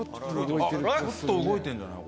ちょっと動いてるんじゃない？